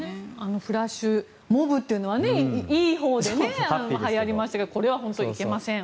フラッシュモブというのはいいほうではやりましたけどこれは本当にいけません。